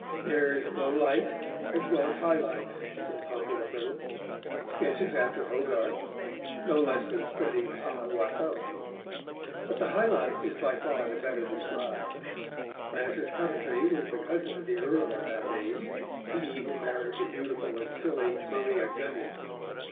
There is low life as well as high life in Pompey the Little, sketches after Hogarth, no less than studies à la Watteau. But the high life is by far the better described. Francis Coventry was the cousin of the Earl of that name, he who married the beautiful and silly Maria Gunning.